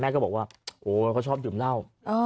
ก็บอกว่าโอ้เขาชอบดื่มเหล้า